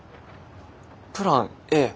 プランＡ？